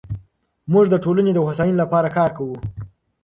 موږ د ټولنې د هوساینې لپاره کار کوو.